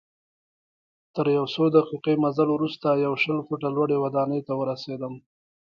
تر یو څو دقیقې مزل وروسته یوه شل فوټه لوړي ودانۍ ته ورسیدم.